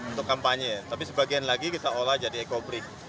untuk kampanye ya tapi sebagian lagi kita olah jadi ekobrik